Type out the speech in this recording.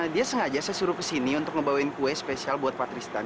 dia sengaja saya suruh kesini untuk ngebawain kue spesial buat pak tristan